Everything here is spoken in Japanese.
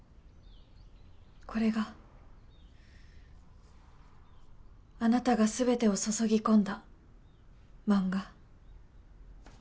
これがあなたが全てを注ぎ込んだ漫画。